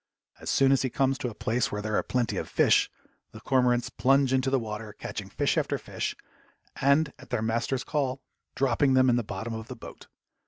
As soon as he comes to a place where there are plenty of fish, the cormorants plunge into the water, catching fish after fish, and, at their master's call, dropping them in the bottom of the boat.